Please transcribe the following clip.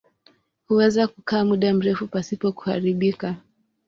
Huweza kukaa muda mrefu pasipo kuharibika.